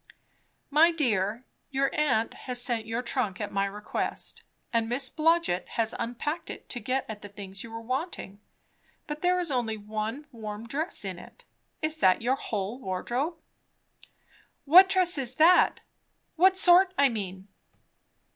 "My dear, your aunt has sent your trunk, at my request; and Miss Blodgett has unpacked it to get at the things you were wanting. But there is only one warm dress in it. Is that your whole ward robe?" "What dress is that? what sort, I mean?"